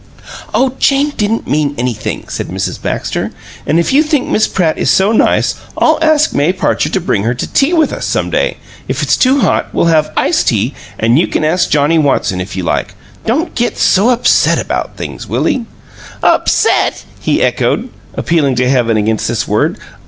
"Oh, Jane didn't mean anything," said Mrs. Baxter. "And if you think Miss Pratt is so nice, I'll ask May Parcher to bring her to tea with us some day. If it's too hot, we'll have iced tea, and you can ask Johnnie Watson, if you like. Don't get so upset about things, Willie!" "'Upset'!" he echoed, appealing to heaven against this word.